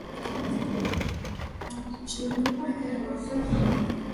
ni jina kwa ajili ya watu wanaoishi kwenye wilaya ya Rungwe